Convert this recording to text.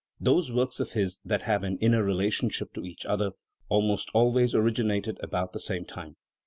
Those works of his that have an inner relationship to each other almost always originated about the same time.